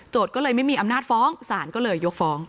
ก็เลยไม่มีอำนาจฟ้องศาลก็เลยยกฟ้อง